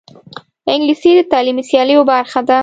انګلیسي د تعلیمي سیالیو برخه ده